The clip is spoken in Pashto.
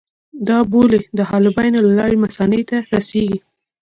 دا بولې د حالبینو له لارې مثانې ته رسېږي.